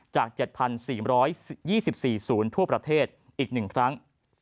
จาก๗๔๒๔ศูนย์ทั่วประเทศอีก๑ครั้ง